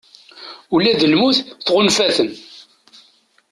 Ula d lmut tɣunfa-ten